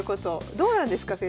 どうなんですか先生。